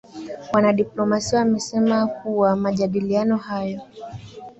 wanadiplomasia wamesema kuwa majadiliano hayo